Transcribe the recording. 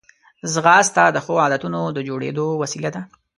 ځغاسته د ښو عادتونو د جوړېدو وسیله ده